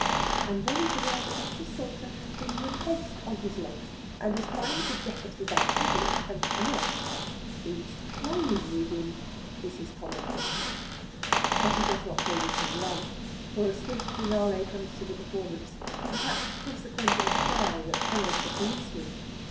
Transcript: and then is aware that Mr. Salter has been replaced on his legs, and is trying to get at his antagonist, and cannot. "He's playin' with him!" is his comment this time. But he does not play with him long, for a swift finale comes to the performance, perhaps consequent on a cry that heralds a policeman.